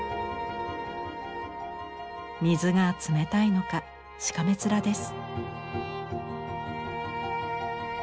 水が冷たいのかしかめ面です。